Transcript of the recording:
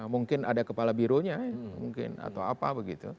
mungkin ada kepala bironya mungkin atau apa begitu